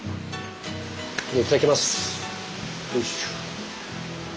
いただきます。